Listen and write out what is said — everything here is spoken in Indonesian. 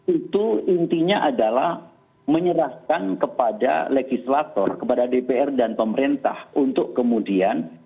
itu intinya adalah menyerahkan kepada legislator kepada dpr dan pemerintah untuk kemudian